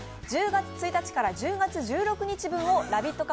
１０月１日から１０月１６日分をラヴィット！